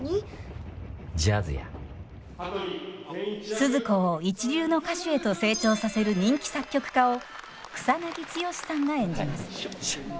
スズ子を一流の歌手へと成長させる人気作曲家を草剛さんが演じます。